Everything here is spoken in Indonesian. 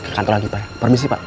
ke kantor lagi pak permisi pak